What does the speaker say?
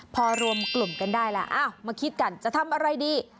พอรวมกลุ่มกันได้แล้วมาคิดกันจะทำอะไรดี